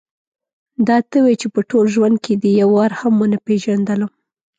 دا ته وې چې په ټول ژوند کې دې یو وار هم ونه پېژندلم.